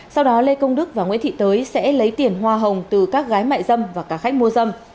sau đó lê công đức và nguyễn thị tới sẽ lấy tiền hoa hồng từ các gái mại dâm và cả khách mua dâm